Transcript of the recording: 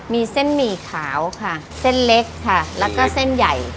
มีเส้นหมี่ขาวค่ะเส้นเล็กค่ะแล้วก็เส้นใหญ่